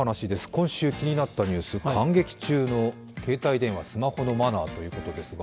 今週気になったニュース、舞台の観劇中のスマホのマナーということですが。